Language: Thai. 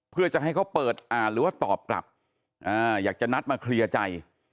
เพื่อจะให้เขาเปิดอ่านหรือว่าตอบกลับอยากจะนัดมาเคลียร์ใจ